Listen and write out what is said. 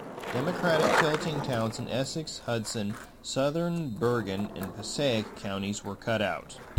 Democratic-tilting towns in Essex, Hudson, southern Bergen and Passaic counties were cut out.